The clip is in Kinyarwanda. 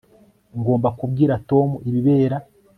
Ngomba kubwira Tom ibibera